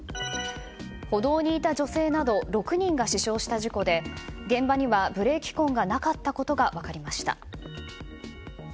歩道にいた女性など６人が死傷した事故で現場には、ブレーキ痕がなかったことが分かりました。